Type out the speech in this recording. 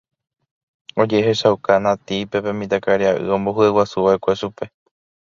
ojehechauka Natípe pe mitãkaria'y ombohyeguasuva'ekue chupe